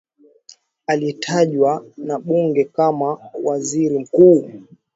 aliyetajwa na bunge kama waziri mkuu